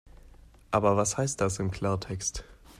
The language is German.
Aber was heißt das im Klartext?